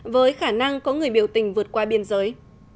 với khả năng có người biểu tình vượt qua biên giới